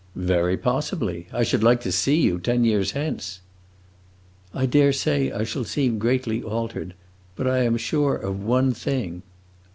"Very possibly! I should like to see you ten years hence." "I dare say I shall seem greatly altered. But I am sure of one thing."